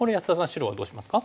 白はどうしますか？